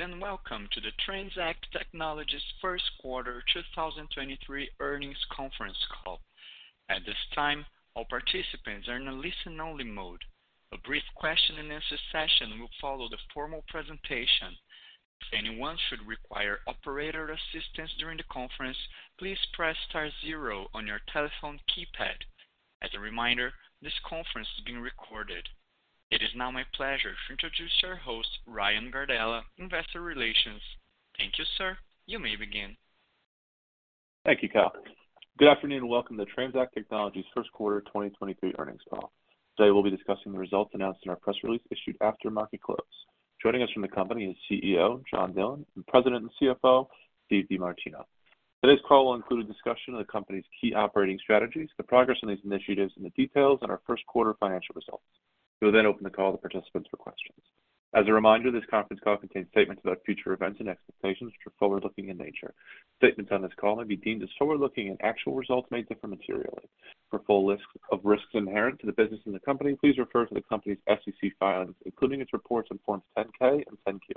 Greetings, and welcome to the TransAct Technologies 1st quarter 2023 earnings conference call. At this time, all participants are in a listen-only mode. A brief question and answer session will follow the formal presentation. If anyone should require operator assistance during the conference, please press star zero on your telephone keypad. As a reminder, this conference is being recorded. It is now my pleasure to introduce our host, Ryan Gardella, Investor Relations. Thank you, sir. You may begin. Thank you, Kyle. Good afternoon, and welcome to TransAct Technologies first quarter 2023 earnings call. Today we'll be discussing the results announced in our press release issued after market close. Joining us from the company is CEO John Dillon and President and CFO Steve DeMartino. Today's call will include a discussion of the company's key operating strategies, the progress on these initiatives, and the details on our first quarter financial results. We will then open the call to participants for questions. As a reminder, this conference call contains statements about future events and expectations which are forward-looking in nature. Statements on this call may be deemed as forward-looking. Actual results may differ materially. For a full list of risks inherent to the business and the company, please refer to the company's SEC filings, including its reports on Forms 10-K and 10-Q.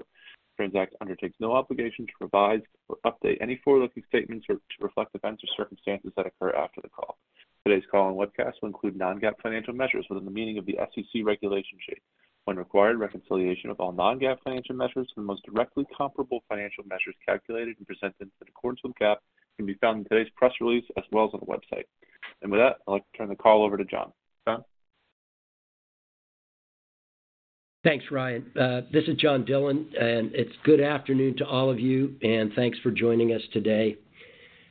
TransAct undertakes no obligation to revise or update any forward-looking statements or to reflect events or circumstances that occur after the call. Today's call and webcast will include non-GAAP financial measures within the meaning of the SEC Regulation G. When required, reconciliation of all non-GAAP financial measures to the most directly comparable financial measures calculated and presented in accordance with GAAP can be found in today's press release as well as on the website. With that, I'd like to turn the call over to John. John? Thanks, Ryan. This is John Dillon. It's good afternoon to all of you, and thanks for joining us today.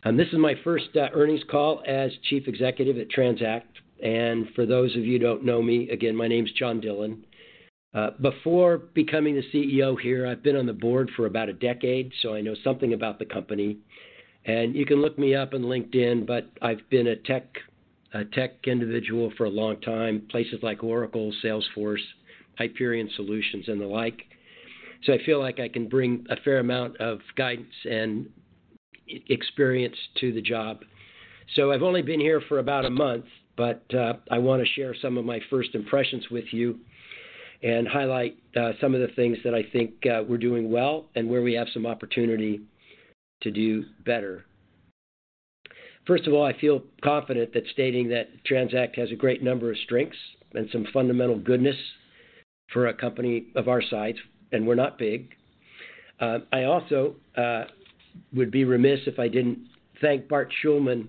This is my first earnings call as Chief Executive at TransAct, and for those of you who don't know me, again, my name's John Dillon. Before becoming the CEO here, I've been on the board for about a decade, so I know something about the company. You can look me up on LinkedIn, but I've been a tech individual for a long time, places like Oracle, Salesforce, Hyperion Solutions, and the like. I feel like I can bring a fair amount of guidance and experience to the job. I've only been here for about a month, but I wanna share some of my first impressions with you and highlight some of the things that I think we're doing well and where we have some opportunity to do better. First of all, I feel confident that stating that TransAct has a great number of strengths and some fundamental goodness for a company of our size, and we're not big. I also would be remiss if I didn't thank Bart Shuldman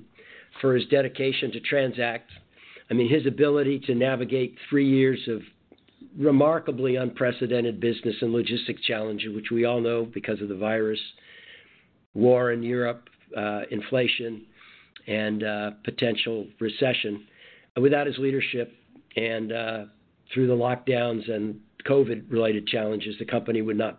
for his dedication to TransAct. I mean, his ability to navigate three years of remarkably unprecedented business and logistics challenges, which we all know because of the virus, war in Europe, inflation, and potential recession. Without his leadership and through the lockdowns and COVID-related challenges, the company would not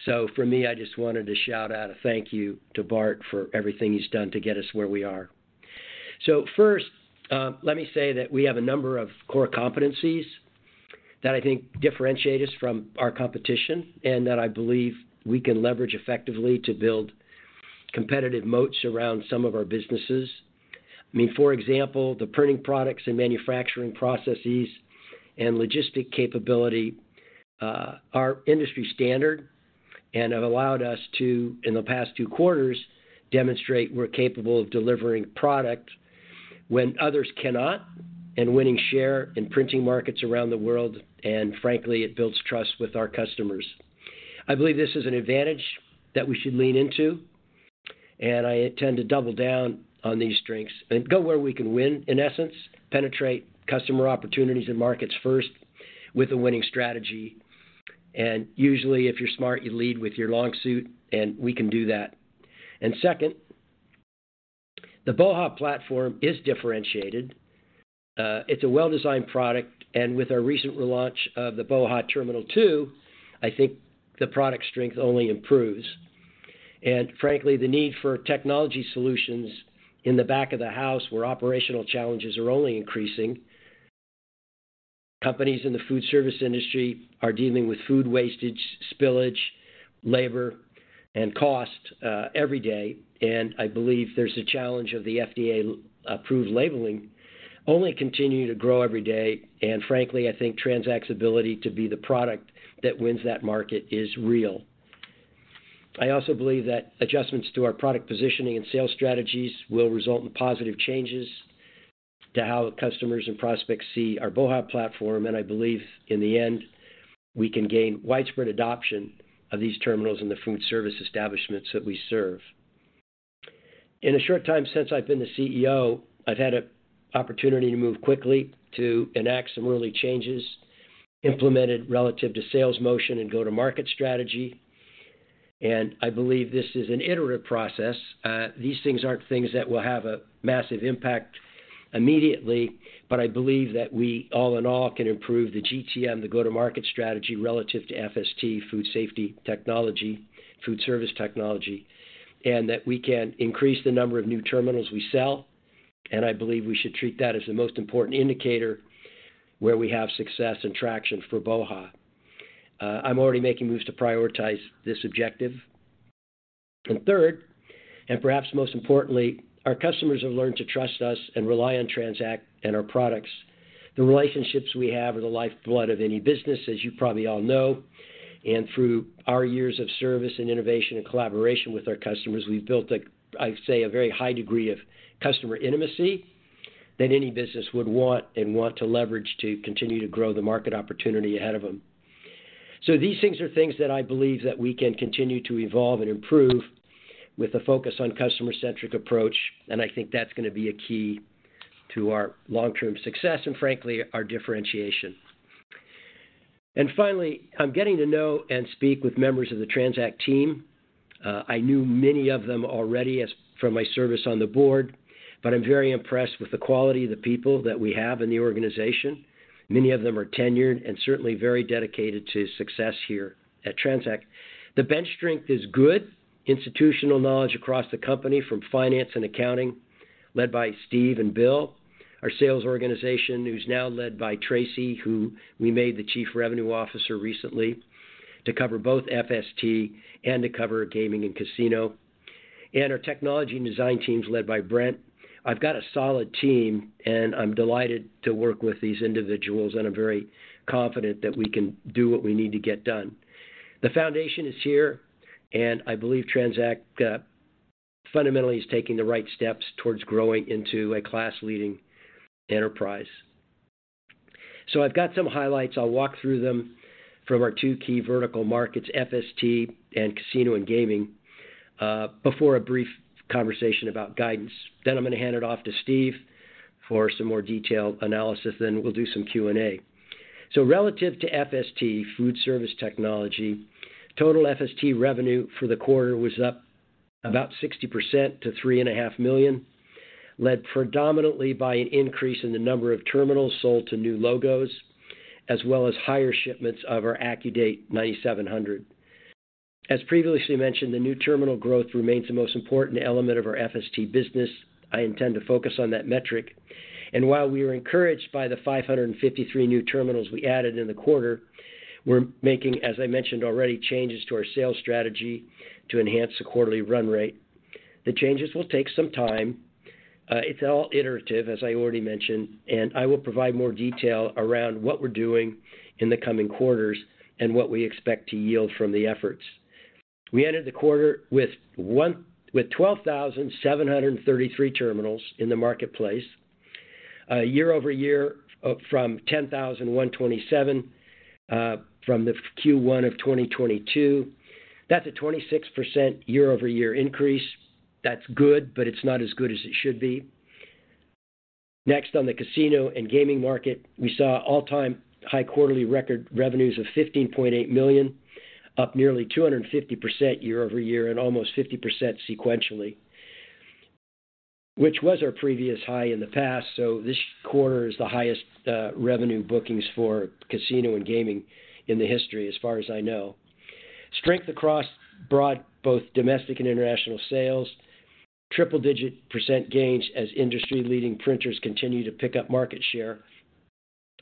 be nearly as well-positioned as it is today. For me, I just wanted to shout out a thank you to Bart Shuldman for everything he's done to get us where we are. First, let me say that we have a number of core competencies that I think differentiate us from our competition and that I believe we can leverage effectively to build competitive moats around some of our businesses. I mean, for example, the printing products and manufacturing processes and logistic capability are industry standard and have allowed us to, in the past two quarters, demonstrate we're capable of delivering product when others cannot and winning share in printing markets around the world. Frankly, it builds trust with our customers. I believe this is an advantage that we should lean into, I intend to double down on these strengths and go where we can win, in essence, penetrate customer opportunities and markets first with a winning strategy. Usually, if you're smart, you lead with your long suit, and we can do that. Second, the BOHA platform is differentiated. It's a well-designed product, and with our recent relaunch of the BOHA Terminal 2, I think the product strength only improves. Frankly, the need for technology solutions in the back of the house, where operational challenges are only increasing. Companies in the food service industry are dealing with food wastage, spillage, labor, and cost every day. I believe there's a challenge of the FDA-approved labeling only continuing to grow every day. Frankly, I think TransAct's ability to be the product that wins that market is real. I also believe that adjustments to our product positioning and sales strategies will result in positive changes to how customers and prospects see our BOHA! platform. I believe in the end, we can gain widespread adoption of these terminals in the food service establishments that we serve. In the short time since I've been the CEO, I've had a opportunity to move quickly to enact some early changes implemented relative to sales motion and go-to-market strategy, I believe this is an iterative process. These things aren't things that will have a massive impact immediately, I believe that we, all in all, can improve the GTM, the go-to-market strategy, relative to FST, food safety technology, food service technology, that we can increase the number of new terminals we sell. I believe we should treat that as the most important indicator where we have success and traction for BOHA. I'm already making moves to prioritize this objective. Third, and perhaps most importantly, our customers have learned to trust us and rely on TransAct and our products. The relationships we have are the lifeblood of any business, as you probably all know. Through our years of service and innovation and collaboration with our customers, we've built a very high degree of customer intimacy that any business would want and want to leverage to continue to grow the market opportunity ahead of them. These things are things that I believe that we can continue to evolve and improve with a focus on customer-centric approach, and I think that's gonna be a key to our long-term success and frankly, our differentiation. Finally, I'm getting to know and speak with members of the TransAct team. I knew many of them already from my service on the board, but I'm very impressed with the quality of the people that we have in the organization. Many of them are tenured and certainly very dedicated to success here at TransAct. The bench strength is good. Institutional knowledge across the company, from finance and accounting, led by Steve and Bill. Our sales organization, who's now led by Tracy, who we made the chief revenue officer recently to cover both FST and to cover gaming and casino. Our technology and design teams, led by Brent. I've got a solid team, and I'm delighted to work with these individuals, and I'm very confident that we can do what we need to get done. The foundation is here. I believe TransAct fundamentally is taking the right steps towards growing into a class-leading enterprise. I've got some highlights. I'll walk through them from our two key vertical markets, FST and casino and gaming, before a brief conversation about guidance. I'm gonna hand it off to Steve for some more detailed analysis. We'll do some Q&A. Relative to FST, food service technology, total FST revenue for the quarter was up about 60% to $3.5 million, led predominantly by an increase in the number of terminals sold to new logos, as well as higher shipments of our AccuDate 9700. As previously mentioned, the new terminal growth remains the most important element of our FST business. I intend to focus on that metric. While we are encouraged by the 553 new terminals we added in the quarter, we're making, as I mentioned already, changes to our sales strategy to enhance the quarterly run rate. The changes will take some time. It's all iterative, as I already mentioned, and I will provide more detail around what we're doing in the coming quarters and what we expect to yield from the efforts. We ended the quarter with 12,733 terminals in the marketplace. Year-over-year, from 10,127, from the Q1 of 2022. That's a 26% year-over-year increase. That's good, but it's not as good as it should be. Next, on the casino and gaming market, we saw all-time high quarterly record revenues of $15.8 million, up nearly 250% year-over-year and almost 50% sequentially, which was our previous high in the past, so this quarter is the highest revenue bookings for casino and gaming in the history, as far as I know. Strength across broad, both domestic and international sales. Triple-digit % gains as industry-leading printers continue to pick up market share.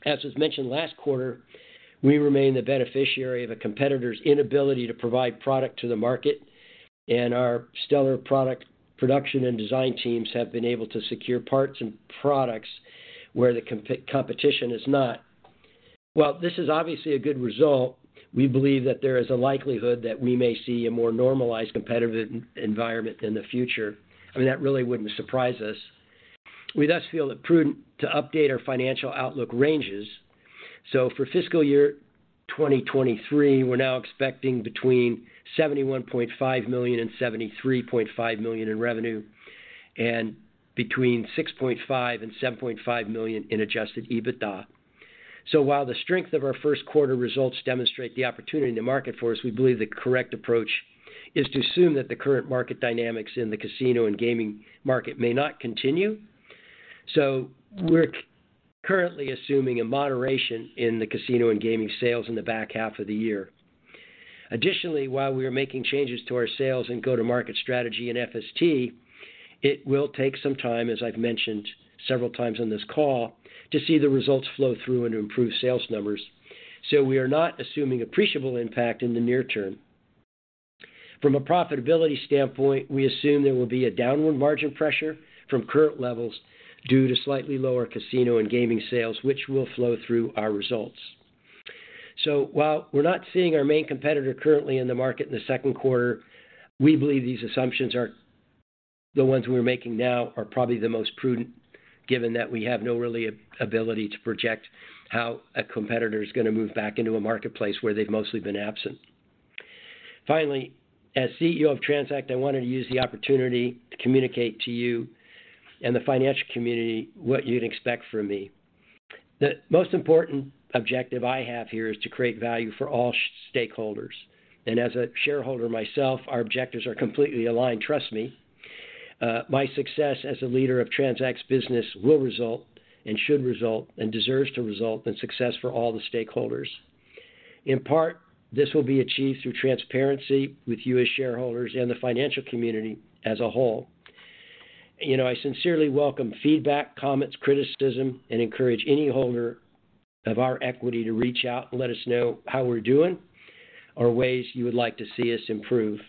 As was mentioned last quarter, we remain the beneficiary of a competitor's inability to provide product to the market, and our stellar product production and design teams have been able to secure parts and products where the competition is not. While this is obviously a good result, we believe that there is a likelihood that we may see a more normalized competitive environment in the future. I mean, that really wouldn't surprise us. We thus feel it prudent to update our financial outlook ranges. For fiscal year 2023, we're now expecting between $71.5 million and $73.5 million in revenue and between $6.5 million and $7.5 million in adjusted EBITDA. While the strength of our first quarter results demonstrate the opportunity in the market for us, we believe the correct approach is to assume that the current market dynamics in the casino and gaming market may not continue. We're currently assuming a moderation in the casino and gaming sales in the back half of the year. Additionally, while we are making changes to our sales and go-to-market strategy in FST, it will take some time, as I've mentioned several times on this call, to see the results flow through and improve sales numbers. We are not assuming appreciable impact in the near term. From a profitability standpoint, we assume there will be a downward margin pressure from current levels due to slightly lower casino and gaming sales, which will flow through our results. While we're not seeing our main competitor currently in the market in the second quarter, we believe the ones we're making now are probably the most prudent, given that we have no really ability to project how a competitor is gonna move back into a marketplace where they've mostly been absent. Finally, as CEO of TransAct, I wanted to use the opportunity to communicate to you and the financial community what you'd expect from me. The most important objective I have here is to create value for all stakeholders. As a shareholder myself, our objectives are completely aligned, trust me. My success as a leader of TransAct's business will result and should result and deserves to result in success for all the stakeholders. In part, this will be achieved through transparency with you as shareholders and the financial community as a whole. You know, I sincerely welcome feedback, comments, criticism, and encourage any holder of our equity to reach out and let us know how we're doing or ways you would like to see us improve.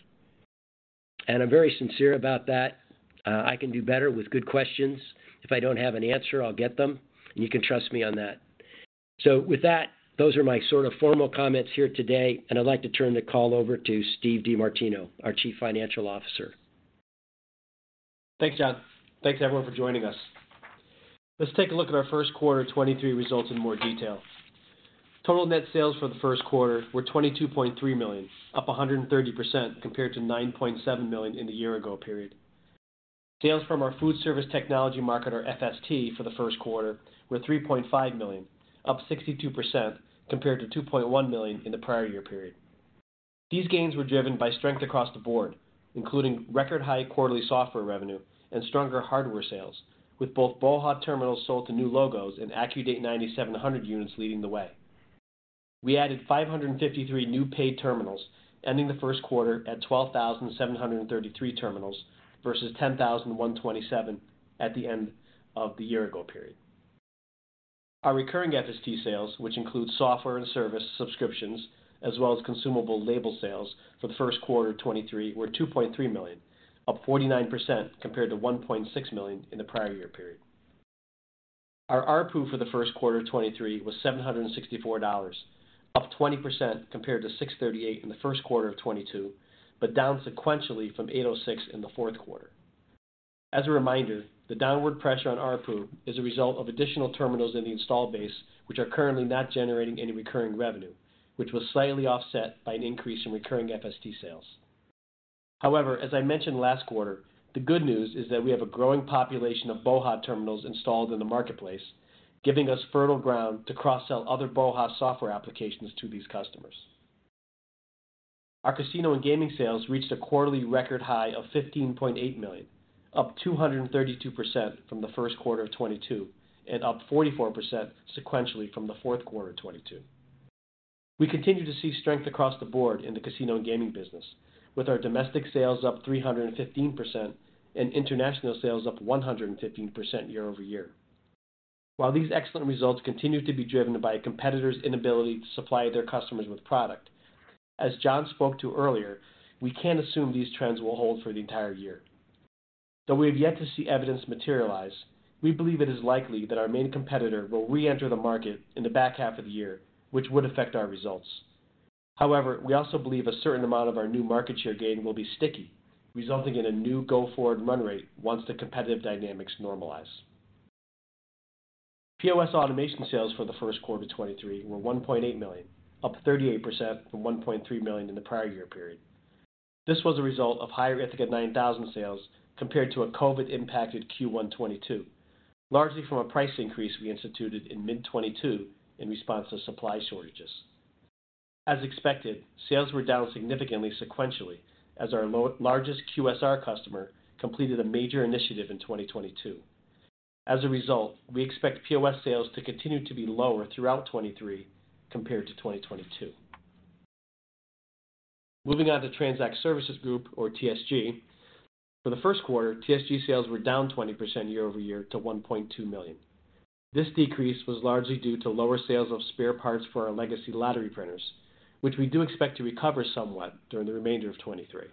I'm very sincere about that. I can do better with good questions. If I don't have an answer, I'll get them, and you can trust me on that. With that, those are my sort of formal comments here today, and I'd like to turn the call over to Steve DeMartino, our Chief Financial Officer. Thanks, John. Thanks everyone for joining us. Let's take a look at our first quarter 2023 results in more detail. Total net sales for the first quarter were $22.3 million, up 130% compared to $9.7 million in the year ago period. Sales from our food service technology market, or FST, for the first quarter were $3.5 million, up 62% compared to $2.1 million in the prior year period. These gains were driven by strength across the board, including record high quarterly software revenue and stronger hardware sales, with both BOHA! terminals sold to new logos and AccuDate 9700 units leading the way. We added 553 new paid terminals, ending the first quarter at 12,733 terminals versus 10,127 at the end of the year ago period. Our recurring FST sales, which includes software and service subscriptions, as well as consumable label sales for the first quarter 2023, were $2.3 million, up 49% compared to $1.6 million in the prior year period. Our ARPU for the first quarter of 2023 was $764, up 20% compared to $638 in the first quarter of 2022, but down sequentially from $806 in the fourth quarter. As a reminder, the downward pressure on ARPU is a result of additional terminals in the installed base, which are currently not generating any recurring revenue, which was slightly offset by an increase in recurring FST sales. However, as I mentioned last quarter, the good news is that we have a growing population of BOHA! terminals installed in the marketplace, giving us fertile ground to cross-sell other BOHA! software applications to these customers. Our casino and gaming sales reached a quarterly record high of $15.8 million, up 232% from the first quarter of 2022, and up 44% sequentially from the fourth quarter of 2022. We continue to see strength across the board in the casino and gaming business, with our domestic sales up 315% and international sales up 115% year-over-year. While these excellent results continue to be driven by a competitor's inability to supply their customers with product, as John spoke to earlier, we can't assume these trends will hold for the entire year. Though we have yet to see evidence materialize, we believe it is likely that our main competitor will reenter the market in the back half of the year, which would affect our results. However, we also believe a certain amount of our new market share gain will be sticky, resulting in a new go-forward run rate once the competitive dynamics normalize. POS automation sales for the first quarter of 2023 were $1.8 million, up 38% from $1.3 million in the prior year period. This was a result of higher Ithaca 9000 sales compared to a COVID-impacted Q1 2022, largely from a price increase we instituted in mid-2022 in response to supply shortages. As expected, sales were down significantly sequentially as our largest QSR customer completed a major initiative in 2022. As a result, we expect POS sales to continue to be lower throughout 2023 compared to 2022. Moving on to TransAct Services Group, or TSG. For the first quarter, TSG sales were down 20% year-over-year to $1.2 million. This decrease was largely due to lower sales of spare parts for our legacy lottery printers, which we do expect to recover somewhat during the remainder of 2023.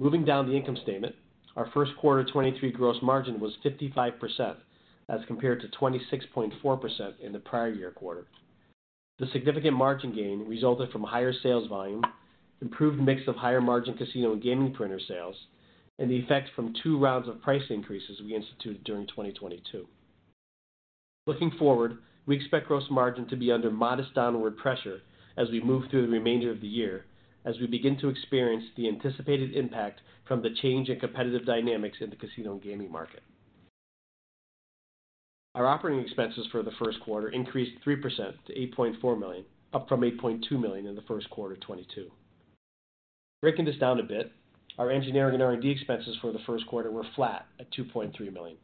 Moving down the income statement. Our first quarter 2023 gross margin was 55% as compared to 26.4% in the prior year quarter. The significant margin gain resulted from higher sales volume, improved mix of higher margin casino and gaming printer sales, and the effect from two rounds of price increases we instituted during 2022. Looking forward, we expect gross margin to be under modest downward pressure as we move through the remainder of the year as we begin to experience the anticipated impact from the change in competitive dynamics in the casino and gaming market. Our operating expenses for the first quarter increased 3% to $8.4 million, up from $8.2 million in the first quarter of 2022. Breaking this down a bit. Our engineering and R&D expenses for the first quarter were flat at $2.3 million.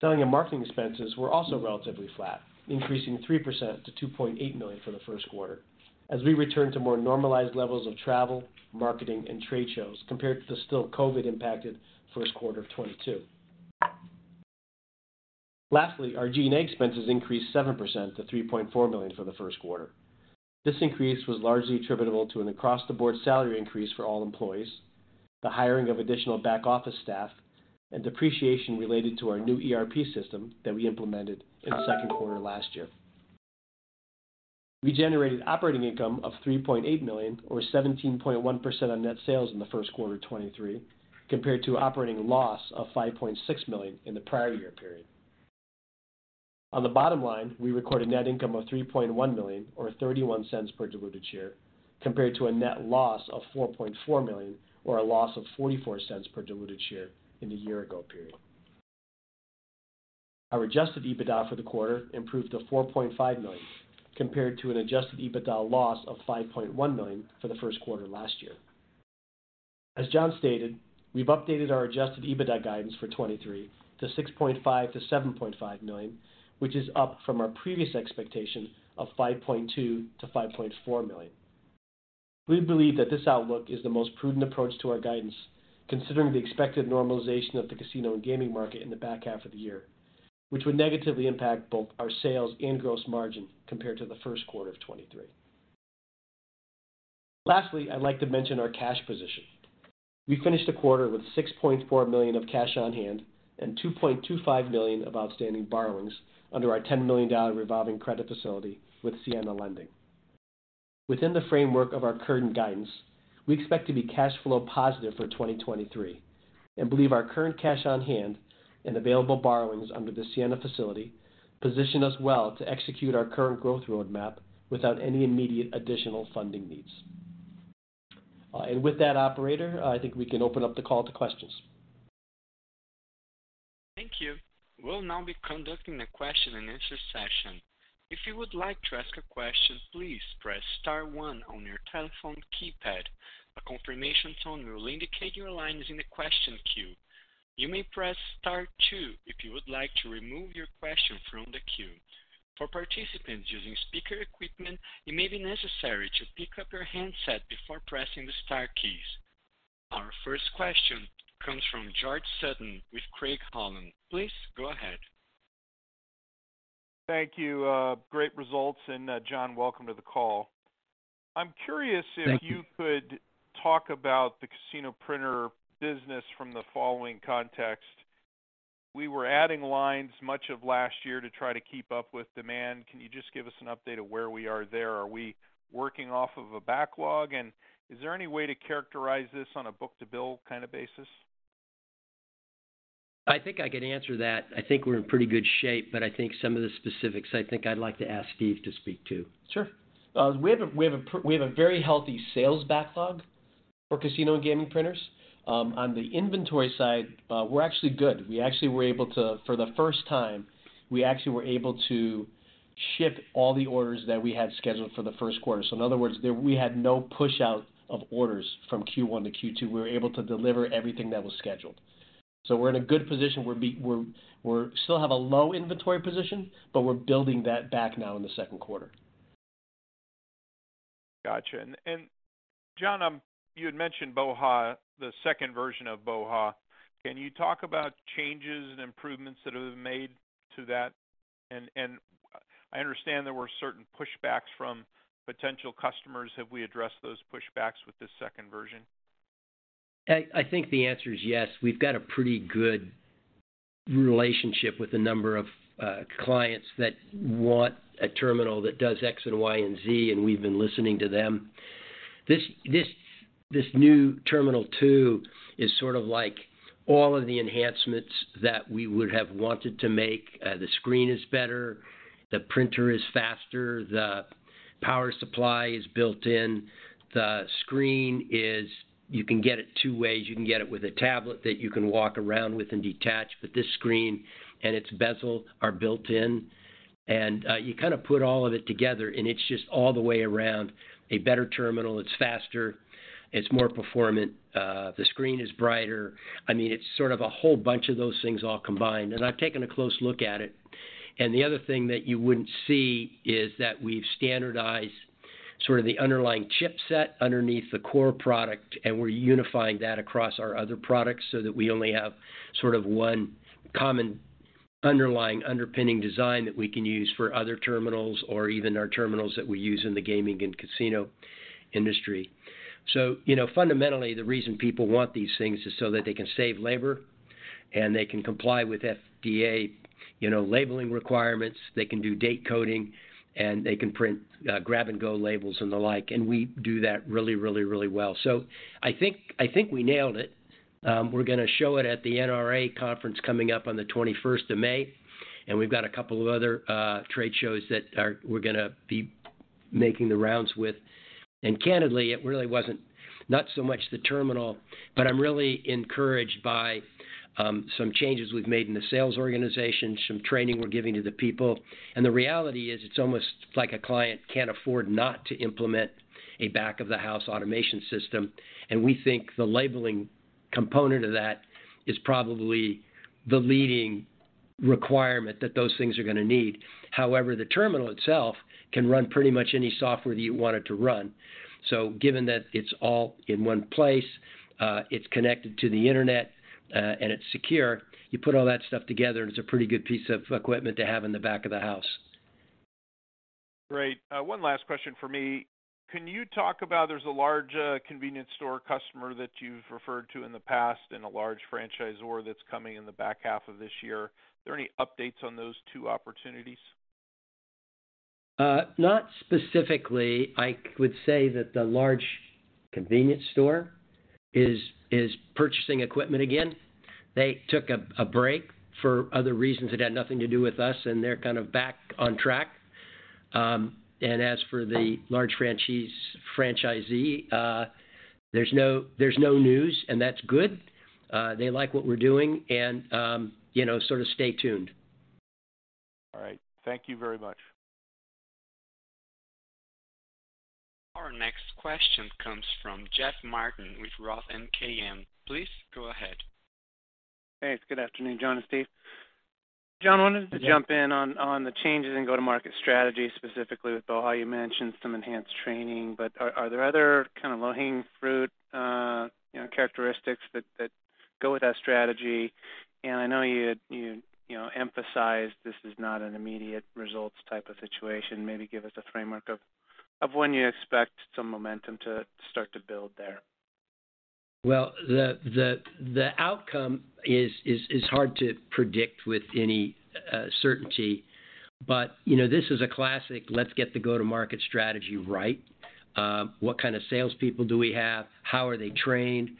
Selling and marketing expenses were also relatively flat, increasing 3% to $2.8 million for the first quarter as we return to more normalized levels of travel, marketing, and trade shows compared to the still COVID-impacted first quarter of 2022. Lastly, our G&A expenses increased 7% to $3.4 million for the first quarter. This increase was largely attributable to an across the board salary increase for all employees, the hiring of additional back office staff, and depreciation related to our new ERP system that we implemented in the second quarter last year. We generated operating income of $3.8 million or 17.1% on net sales in the first quarter of 2023 compared to operating loss of $5.6 million in the prior year period. On the bottom line, we recorded net income of $3.1 million or $0.31 per diluted share compared to a net loss of $4.4 million or a loss of $0.44 per diluted share in the year ago period. Our adjusted EBITDA for the quarter improved to $4.5 million compared to an adjusted EBITDA loss of $5.1 million for the first quarter last year. As John stated, we've updated our adjusted EBITDA guidance for 2023 to $6.5 million-$7.5 million, which is up from our previous expectation of $5.2 million-$5.4 million. We believe that this outlook is the most prudent approach to our guidance, considering the expected normalization of the casino and gaming market in the back half of the year, which would negatively impact both our sales and gross margin compared to the first quarter of 2023. Lastly, I'd like to mention our cash position. We finished the quarter with $6.4 million of cash on hand and $2.25 million of outstanding borrowings under our $10 million revolving credit facility with Siena Lending. Within the framework of our current guidance, we expect to be cash flow positive for 2023, and believe our current cash on hand and available borrowings under the Siena facility position us well to execute our current growth roadmap without any immediate additional funding needs. With that operator, I think we can open up the call to questions. Thank you. We'll now be conducting a question and answer session. If you would like to ask a question, please press star 1 on your telephone keypad. A confirmation tone will indicate your line is in the question queue. You may press star two if you would like to remove your question from the queue. For participants using speaker equipment, it may be necessary to pick up your handset before pressing the star keys. Our first question comes from George Sutton with Craig-Hallum. Please go ahead. Thank you. Great results. John, welcome to the call. Thank you. I'm curious if you could talk about the casino printer business from the following context. We were adding lines much of last year to try to keep up with demand. Can you just give us an update of where we are there? Are we working off of a backlog? Is there any way to characterize this on a book-to-bill kind of basis? I think I can answer that. I think we're in pretty good shape, but I think some of the specifics, I think I'd like to ask Steve to speak to. Sure. We have a very healthy sales backlog for casino gaming printers. On the inventory side, we're actually good. We actually were able to, for the first time, ship all the orders that we had scheduled for the first quarter. In other words, there, we had no pushout of orders from Q one to Q two. We were able to deliver everything that was scheduled. We're in a good position. We're still have a low inventory position, but we're building that back now in the second quarter. Gotcha. John, you had mentioned BOHA!, the second version of BOHA!. Can you talk about changes and improvements that have been made to that? I understand there were certain pushbacks from potential customers. Have we addressed those pushbacks with the second version? I think the answer is yes. We've got a pretty good relationship with a number of clients that want a terminal that does X and Y and Z, and we've been listening to them. This new Terminal 2 is sort of like all of the enhancements that we would have wanted to make. The screen is better, the printer is faster, the power supply is built in. You can get it one ways. You can get it with a tablet that you can walk around with and detach, but this screen and its bezel are built in. You kind of put all of it together, and it's just all the way around a better terminal. It's faster, it's more performant, the screen is brighter. I mean, it's sort of a whole bunch of those things all combined. I've taken a close look at it. The other thing that you wouldn't see is that we've standardized sort of the underlying chipset underneath the core product. We're unifying that across our other products so that we only have sort of one common underlying underpinning design that we can use for other terminals or even our terminals that we use in the gaming and casino industry. You know, fundamentally, the reason people want these things is so that they can save labor and they can comply with FDA, you know, labeling requirements. They can do date coding. They can print grab and go labels and the like. We do that really, really, really well. I think we nailed it. We're gonna show it at the NRA conference coming up on the 21st of May, and we've got a couple of other trade shows that we're gonna be making the rounds with. Candidly, it really wasn't not so much the terminal, but I'm really encouraged by some changes we've made in the sales organization, some training we're giving to the people. The reality is, it's almost like a client can't afford not to implement a back-of-house automation system. We think the labeling component of that is probably the leading requirement that those things are gonna need. However, the terminal itself can run pretty much any software that you want it to run. Given that it's all in one place, it's connected to the internet, and it's secure, you put all that stuff together and it's a pretty good piece of equipment to have in the back of the house. Great. One last question for me. Can you talk about there's a large convenience store customer that you've referred to in the past and a large franchisor that's coming in the back half of this year? Are there any updates on those two opportunities? Not specifically. I would say that the large convenience store is purchasing equipment again. They took a break for other reasons. It had nothing to do with us, and they're kind of back on track. As for the large franchisee, there's no news, and that's good. They like what we're doing and, you know, sort of stay tuned. All right. Thank you very much. Our next question comes from Jeff Martin with ROTH MKM. Please go ahead. Thanks. Good afternoon, John and Steve. John, I wanted to jump in on the changes in go-to-market strategy, specifically with BOHA!. Are there other kind of low-hanging fruit, you know, characteristics that go with that strategy? I know you know, emphasized this is not an immediate results type of situation. Maybe give us a framework of when you expect some momentum to start to build there. Well, the outcome is hard to predict with any certainty. You know, this is a classic, let's get the go-to-market strategy right. What kind of salespeople do we have? How are they trained?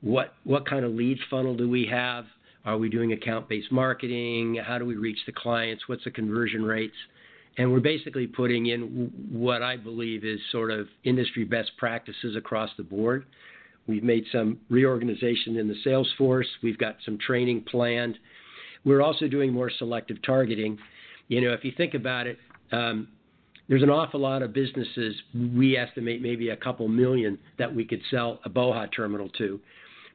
What kind of leads funnel do we have? Are we doing account-based marketing? How do we reach the clients? What's the conversion rates? We're basically putting in what I believe is sort of industry best practices across the board. We've made some reorganization in the sales force. We've got some training planned. We're also doing more selective targeting. You know, if you think about it, there's an awful lot of businesses, we estimate maybe five million, that we could sell a BOHA! Terminal to,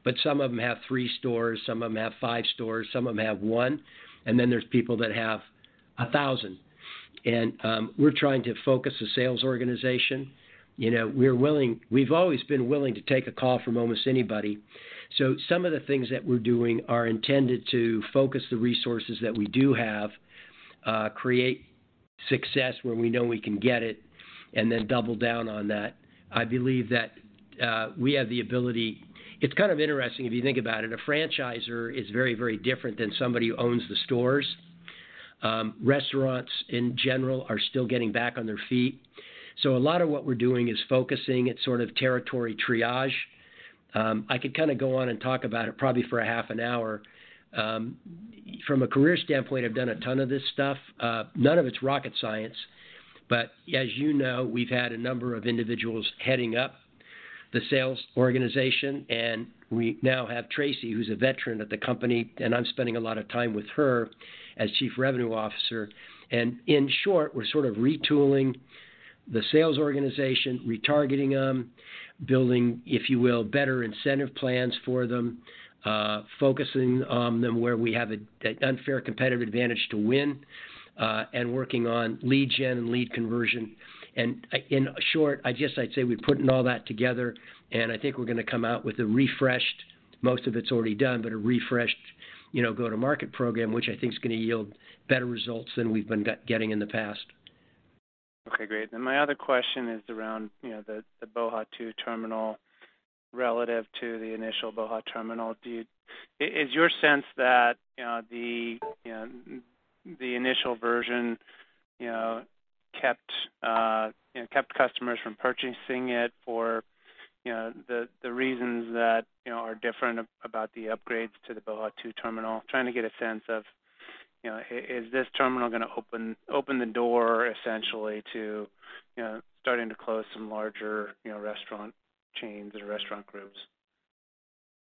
but some of them have three stores, some of them have five stores, some of them have one, and then there's people that have 1,000. We're trying to focus the sales organization. You know, we've always been willing to take a call from almost anybody. Some of the things that we're doing are intended to focus the resources that we do have, create success where we know we can get it, and then double down on that. I believe that we have the ability. It's kind of interesting, if you think about it. A franchisor is very, very different than somebody who owns the stores. Restaurants in general are still getting back on their feet. A lot of what we're doing is focusing. It's sort of territory triage. I could kind of go on and talk about it probably for a half an hour. From a career standpoint, I've done a ton of this stuff. None of it's rocket science. As you know, we've had a number of individuals heading up the sales organization, and we now have Tracy, who's a veteran of the company, and I'm spending a lot of time with her as Chief Revenue Officer. In short, we're sort of retooling the sales organization, retargeting them, building, if you will, better incentive plans for them, focusing on them where we have a, an unfair competitive advantage to win, and working on lead gen and lead conversion. In short, I guess I'd say we're putting all that together, and I think we're gonna come out with a refreshed, most of it's already done, but a refreshed, you know, go-to-market program, which I think is gonna yield better results than we've been getting in the past. Okay, great. My other question is around, you know, the BOHA! Two terminal relative to the initial BOHA! terminal. Is your sense that, you know, the initial version, you know, kept customers from purchasing it for, you know, the reasons that, you know, are different about the upgrades to the BOHA! Two terminal? Trying to get a sense of, you know, is this terminal gonna open the door essentially to, you know, starting to close some larger, you know, restaurant chains or restaurant groups?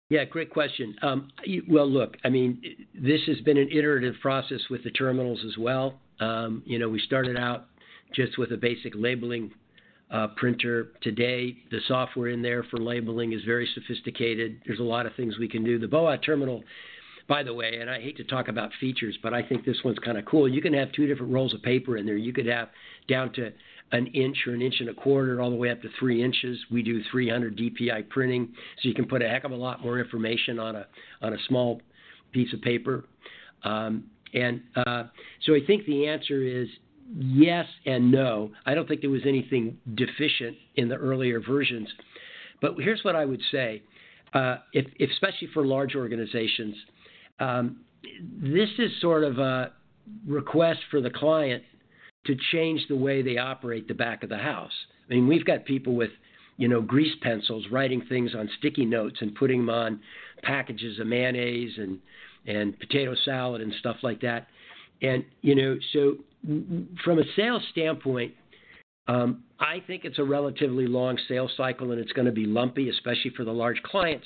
Yeah, great question. Well, look, I mean, this has been an iterative process with the terminals as well. You know, we started out just with a basic labeling printer. Today, the software in there for labeling is very sophisticated. There's a lot of things we can do. The BOHA! Terminal, by the way, and I hate to talk about features, but I think this one's kind of cool. You can have two different rolls of paper in there. You could have down to 1 inch or 1 and a quarter inches all the way up to three inches. We do 300 DPI printing, so you can put a heck of a lot more information on a small piece of paper. I think the answer is yes and no. I don't think there was anything deficient in the earlier versions. Here's what I would say, especially for large organizations, this is sort of a request for the client to change the way they operate the back of the house. I mean, we've got people with, you know, grease pencils, writing things on sticky notes and putting them on packages of mayonnaise and potato salad and stuff like that. You know, from a sales standpoint, I think it's a relatively long sales cycle, and it's gonna be lumpy, especially for the large clients,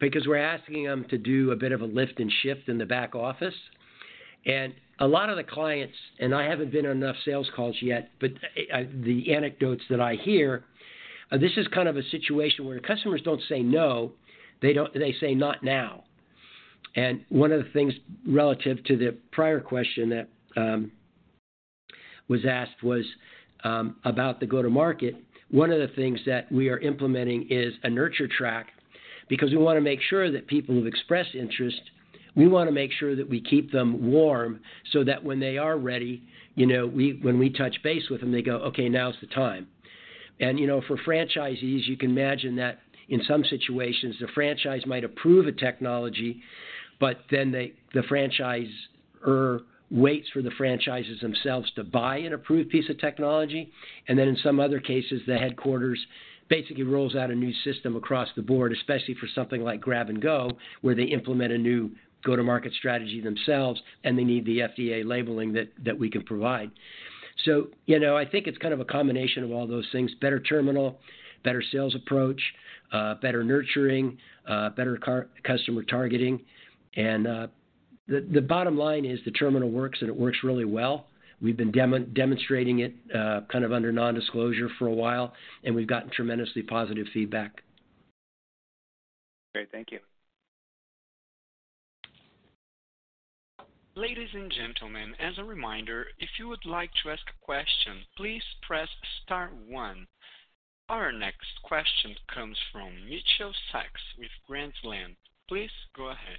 because we're asking them to do a bit of a lift and shift in the back office. A lot of the clients, and I haven't been on enough sales calls yet, but the anecdotes that I hear, this is kind of a situation where customers don't say no, they say not now. One of the things relative to the prior question that was asked was about the go to market. One of the things that we are implementing is a nurture track, because we want to make sure that people who've expressed interest, we want to make sure that we keep them warm so that when they are ready, you know, when we touch base with them, they go, "Okay, now is the time." You know, for franchisees, you can imagine that in some situations, the franchise might approve a technology, but then they, the franchisor waits for the franchises themselves to buy an approved piece of technology. In some other cases, the headquarters basically rolls out a new system across the board, especially for something like grab and go, where they implement a new go-to-market strategy themselves, and they need the FDA labeling that we can provide. You know, I think it's kind of a combination of all those things, better terminal, better sales approach, better nurturing, better customer targeting. The bottom line is the terminal works, and it works really well. We've been demonstrating it, kind of under nondisclosure for a while, and we've gotten tremendously positive feedback. Great. Thank you. Ladies and gentlemen, as a reminder, if you would like to ask a question, please press star one. Our next question comes from Mitchell Sacks with Grand Slam Asset Management. Please go ahead.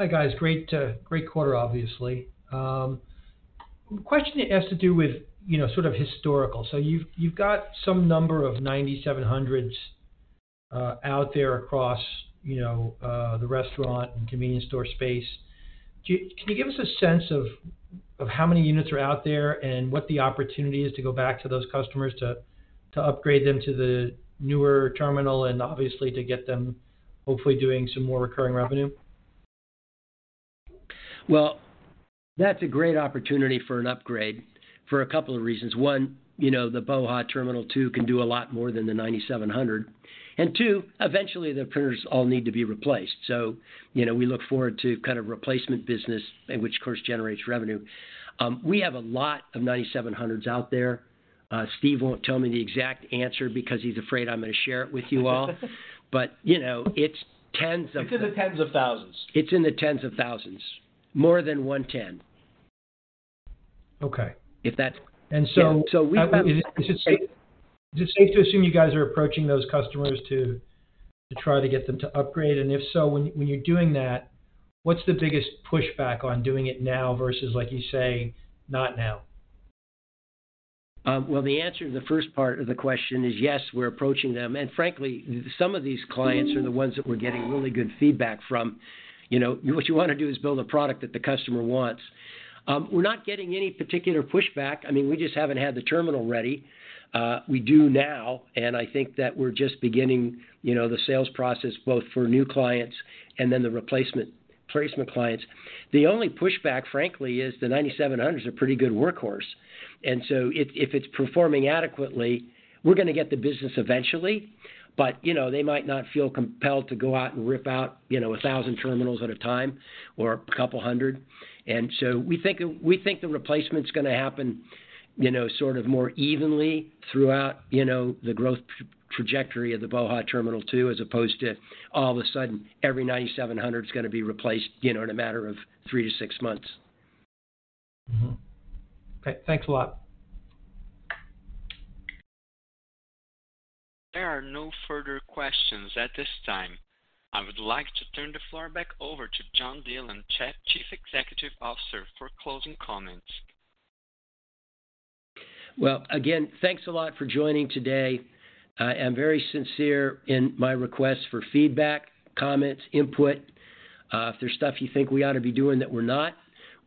Hi, guys. Great, great quarter, obviously. Question has to do with, you know, sort of historical. You've got some number of 9700s out there across, you know, the restaurant and convenience store space. Can you give us a sense of how many units are out there and what the opportunity is to go back to those customers to upgrade them to the newer terminal and obviously to get them hopefully doing some more recurring revenue? Well, that's a great opportunity for an upgrade for a couple of reasons. One, you know, the BOHA! Terminal 2 can do a lot more than the 9700. Two, eventually the printers all need to be replaced. You know, we look forward to kind of replacement business in which, of course, generates revenue. We have a lot of 9700s out there. Steve won't tell me the exact answer because he's afraid I'm gonna share it with you all. You know, it's tens of- It's in the tens of thousands. It's in the tens of thousands. More than 110. Okay. If that- And so- So we've got- Is it safe to assume you guys are approaching those customers to try to get them to upgrade? If so, when you're doing that, what's the biggest pushback on doing it now versus, like you say, not now? Well, the answer to the first part of the question is yes, we're approaching them. Frankly, some of these clients are the ones that we're getting really good feedback from, you know? What you wanna do is build a product that the customer wants. We're not getting any particular pushback. I mean, we just haven't had the terminal ready. We do now, and I think that we're just beginning, you know, the sales process both for new clients and then the replacement clients. The only pushback, frankly, is the AccuDate 9700's a pretty good workhorse. If it's performing adequately, we're gonna get the business eventually, but, you know, they might not feel compelled to go out and rip out, you know, 1,000 terminals at a time or 200. We think the replacement's gonna happen, you know, sort of more evenly throughout, you know, the growth trajectory of the BOHA! Terminal 2, as opposed to all of a sudden, every 9700's gonna be replaced, you know, in a matter of three-six months. Mm-hmm. Okay, thanks a lot. There are no further questions at this time. I would like to turn the floor back over to John Dillon, Chief Executive Officer, for closing comments. Well, again, thanks a lot for joining today. I am very sincere in my request for feedback, comments, input. If there's stuff you think we ought to be doing that we're not,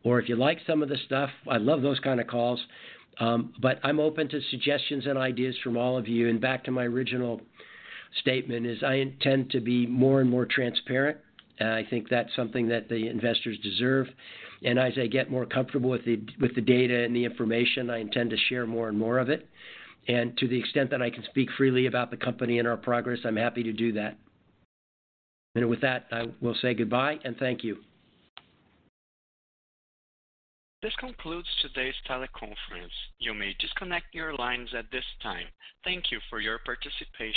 or if you like some of the stuff, I love those kind of calls. I'm open to suggestions and ideas from all of you. Back to my original statement, is I intend to be more and more transparent. I think that's something that the investors deserve. As I get more comfortable with the, with the data and the information, I intend to share more and more of it. To the extent that I can speak freely about the company and our progress, I'm happy to do that. With that, I will say goodbye and thank you. This concludes today's teleconference. You may disconnect your lines at this time. Thank you for your participation.